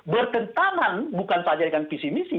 bertentangan bukan saja dengan visi misi